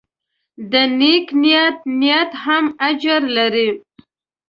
د نیک نیت نیت هم اجر لري.